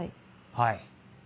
はい。